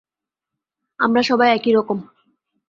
আমরা সবাই একইরকম।